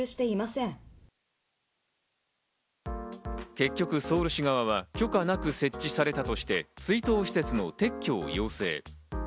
結局、ソウル市側は許可なく設置されたとして、追悼施設の撤去を要請。